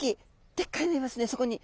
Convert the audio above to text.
でっかいのいますねそこに。